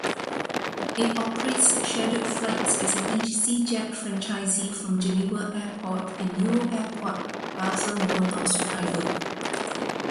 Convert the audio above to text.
It operates scheduled flights as an EasyJet franchisee from Geneva Airport and EuroAirport Basel-Mulhouse-Freiburg.